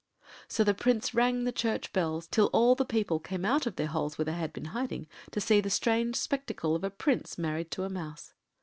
” So the Prince rang the church bells till all the people came out of their holes where they had been hiding, to see the strange spectacle of a Prince married to a Mouse.